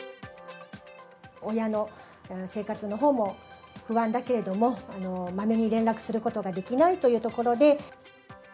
親の生活のほうも不安だけれども、まめに連絡することができないというところで。